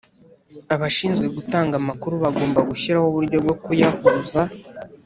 Abashinzwe gutanga amakuru bagomba gushyiraho uburyo bwo kuyahuza